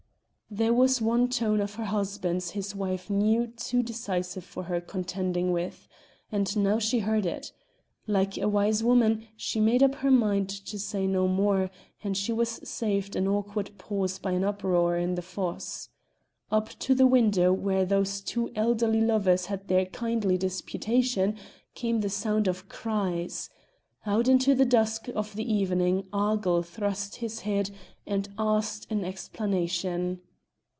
There was one tone of her husband's his wife knew too decisive for her contending with, and now she heard it. Like a wise woman, she made up her mind to say no more, and she was saved an awkward pause by an uproar in the fosse. Up to the window where those two elderly lovers had their kindly disputation came the sound of cries. Out into the dusk of the evening Argyll thrust his head and asked an explanation.